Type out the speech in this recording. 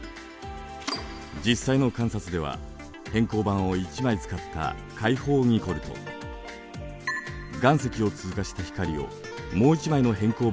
実際の観察では偏光板を１枚使った開放ニコルと岩石を通過した光をもう一枚の偏光板を通す